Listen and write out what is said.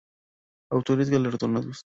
Autores galardonados